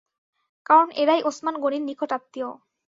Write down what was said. কারণ এরাই ওসমান গনির নিকট আত্মীয়।